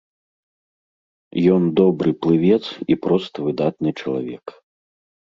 Ён добры плывец і проста выдатны чалавек.